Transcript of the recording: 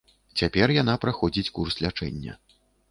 Цяпер яна праходзіць курс лячэння.